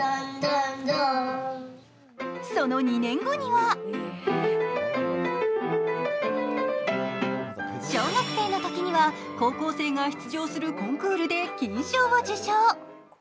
その２年後には小学生のときには高校生が出場するコンクールで金賞を受賞。